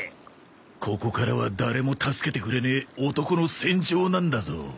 ここからは誰も助けてくれねえ男の戦場なんだぞ。